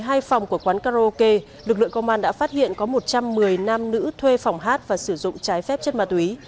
tại hai phòng của quán karaoke lực lượng công an đã phát hiện có một trăm một mươi nam nữ thuê phòng hát và sử dụng trái phép chất ma túy